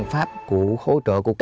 phải làm their work